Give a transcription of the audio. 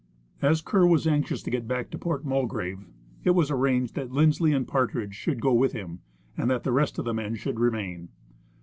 As Kerr was anxious to get back to Port Mulgrave, it was ar ranged that Lindsley and Partridge should go with him, and that the rest of the men should remain.